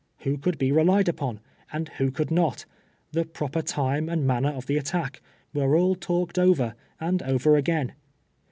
Who could be relied upon, and who could not, the proper time and manner of the attack, were all talked over and over again.